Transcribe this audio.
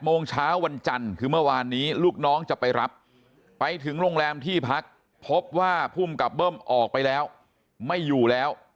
โมงเช้าวันจันทร์คือเมื่อวานนี้ลูกน้องจะไปรับไปถึงโรงแรมที่พักพบว่าภูมิกับเบิ้มออกไปแล้วไม่อยู่แล้ว